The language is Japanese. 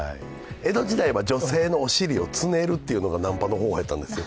江戸時代は女性のお尻をつねるというのがナンパの方法やったんですよ。